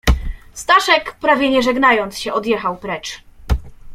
"Staszek, prawie nie żegnając się, odjechał precz."